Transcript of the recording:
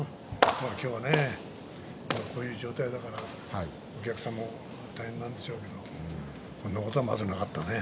こういう状態だから、お客さんも大変なんでしょうけれどもこんなことは、まずなかったね。